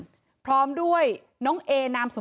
เหตุการณ์เกิดขึ้นแถวคลองแปดลำลูกกา